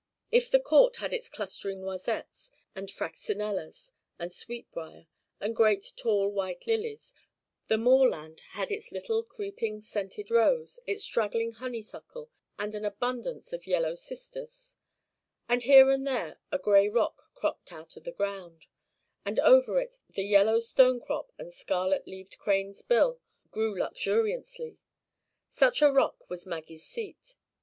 If the court had its clustering noisettes, and fraxinellas, and sweetbriar, and great tall white lilies, the moorland had its little creeping scented rose, its straggling honeysuckle, and an abundance of yellow cistus; and here and there a gray rock cropped out of the ground, and over it the yellow stone crop and scarlet leaved crane's bill grew luxuriantly. Such a rock was Maggie's seat.